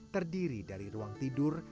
terdiri dari ruang tidur